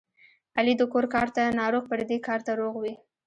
علي د کور کار ته ناروغ پردي کار ته روغ وي.